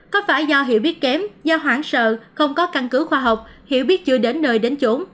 có phải do hiểu biết kém do hoảng sợ không có căn cứ khoa học hiểu biết chưa đến nơi đến chỗ